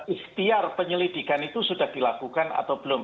ikhtiar penyelidikan itu sudah dilakukan atau belum